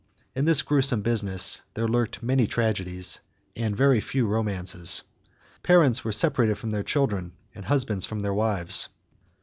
In this gruesome business there lurked many tragedies, and very few romances. Parents were separated from their children and husbands from their wives.